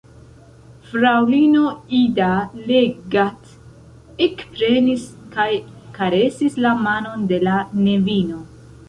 Fraŭlino Ida Leggat ekprenis kaj karesis la manon de la nevino.